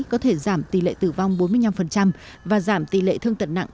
có thể giảm tỷ lệ tử vong bốn mươi năm và giảm tỷ lệ thương tật nặng